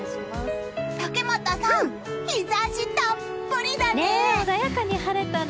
竹俣さん、日差したっぷりだね！